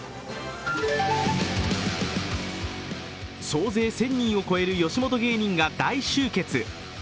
総勢１０００人を超える吉本芸人が大集結。